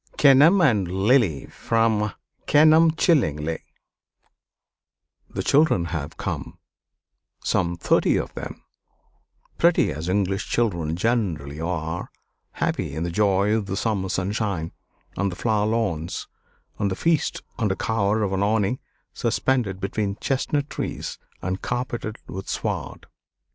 KENELM AND LILY From 'Kenelm Chillingly' The children have come, some thirty of them, pretty as English children generally are, happy in the joy of the summer sunshine, and the flower lawns, and the feast under cover of an awning suspended between chestnut trees and carpeted with sward.